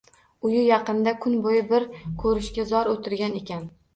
Uyi yaqinida kun bo‘yi bir ko‘rishga zor o‘tirgan ekan